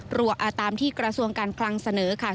ตามที่กระทรวงการคลังเสนอค่ะ